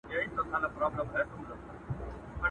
سیوری د ولي خوب د پېغلي پر ورنونه!